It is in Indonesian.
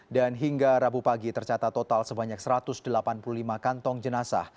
dan hingga rabu pagi tercata total sebanyak satu ratus delapan puluh lima kantong jenasa